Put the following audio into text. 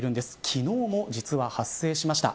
昨日も、実は発生しました。